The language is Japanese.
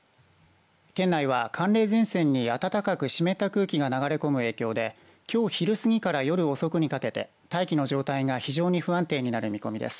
県内は寒冷前線に暖かく湿った空気が流れ込む影響できょう昼過ぎから夜遅くにかけて大気の状態が非常に不安定になる見込みです。